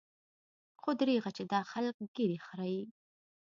خو درېغه چې دا خلق ږيرې خريي.